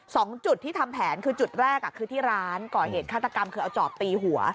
สองจุดที่ทำแผนคือจุดแรกคือที่ร้านก่อเหตุฆาตกรรมคือเอาจอบตีหัว